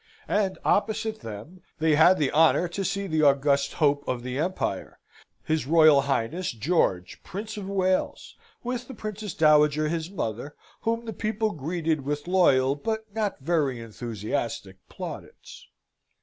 And opposite them they had the honour to see the august hope of the empire, his Royal Highness George Prince of Wales, with the Princess Dowager his mother, whom the people greeted with loyal, but not very enthusiastic, plaudits.